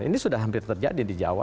ini sudah hampir terjadi di jawa